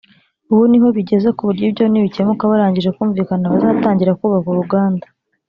ubu niho bigeze ku buryo ibyo nibikemuka barangije kumvikana bazatangira kubaka uruganda